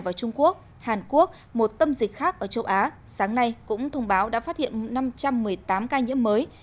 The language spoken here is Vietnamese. vào trung quốc hàn quốc một tâm dịch khác ở châu á sáng nay cũng thông báo đã phát hiện năm trăm một mươi tám ca nhiễm mới